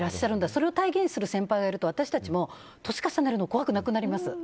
それを体現する先輩がいると私たちも年を重ねるのが怖くなくなります。